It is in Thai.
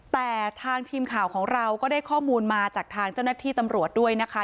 แต่ทางทีมข่าวของเราก็ได้ข้อมูลมาจากทางเจ้าหน้าที่ตำรวจด้วยนะคะ